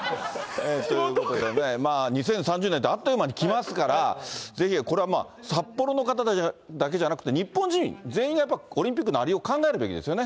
ということでね、まぁ、２０３０年ってあっという間に来ますから、ぜひこれは札幌の方たちだけじゃなくて、日本人、全員がやっぱりオリンピックのありようを考えるべきですよね。